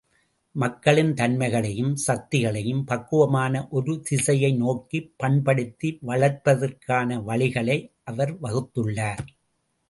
மக்களின் தன்மைகளையும், சக்திகளையும் பக்குவமான ஒரு திசையை நோக்கிப் பண்படுத்தி வளர்ப்பதற்கான வழிகளை அவர் வகுத்துள்ளார்.